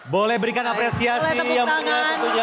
boleh berikan apresiasi yang penting